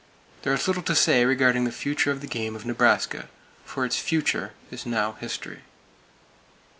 There is little to say regarding the future of the game of Nebraska; for its "future" is now history.